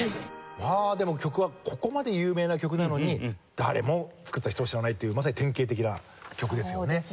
まあでも曲はここまで有名な曲なのに誰も作った人を知らないっていうまさに典型的な曲ですよね。